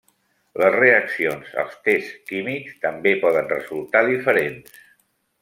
Les reaccions als tests químics també poden resultar diferents.